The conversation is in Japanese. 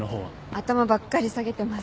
頭ばっかり下げてます。